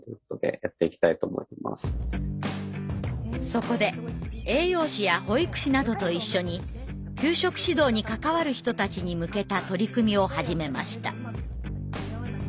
そこで栄養士や保育士などと一緒に給食指導に関わる人たちに向けた取り組みを始めました。